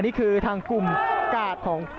นี่คือทางกลุ่มกาดของ